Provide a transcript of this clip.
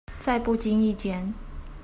在不經意間